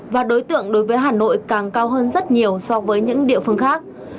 và đối tượng đối với hà nội càng cao hơn rất nhiều so với những địa phương khác